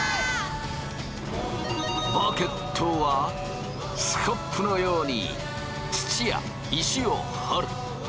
バケットはスコップのように土や石をほる。